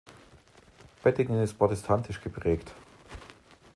Bettingen ist protestantisch geprägt.